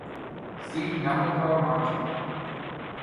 See Namokar Mantra.